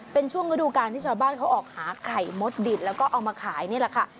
เป็นช่วงฤดูการที่ชาวบ้านเขาออกหาไข่มดดิบแล้วก็เอามาขายนี่แหละค่ะ